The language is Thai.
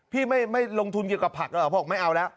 พี่ไม่ลงทุนเกี่ยวกับผักหรอกเพราะว่าไม่เอาแล้ว